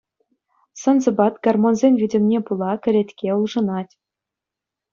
Сӑн-сӑпат, гормонсен витӗмне пула кӗлетке улшӑнать.